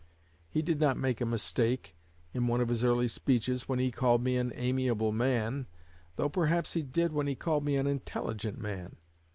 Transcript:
_ He did not make a mistake, in one of his early speeches, when he called me an 'amiable' man, though perhaps he did when he called me an 'intelligent' man.